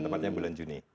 tepatnya bulan juni